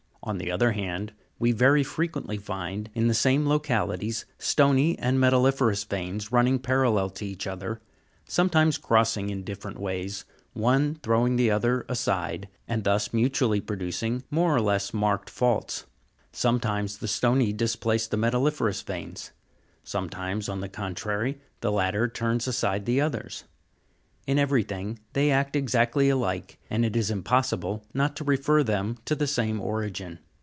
On the other hand, we very frequently find in the same localities stony and metalli'ferous veins running parallel to each other, sometimes crossing in different ways, one throwing the other aside, and thus mutually producing more or less marked faults. Sometimes the stony displace the metalli'ferous veins ; sometimes, on the contrary, the latter turn aside the others : in everything they act exactly alike, and it is impos sible not to refer them to the same origin.